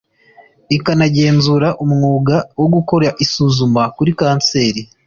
ikanagenzura umwuga wo gukora isuzuma kuri kanseri